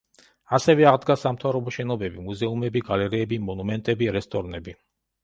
ასევე აღდგა სამთავრობო შენობები, მუზეუმები, გალერეები, მონუმენტები, რესტორნები.